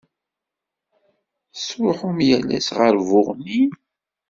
Tettṛuḥum yal ass ɣer Buɣni?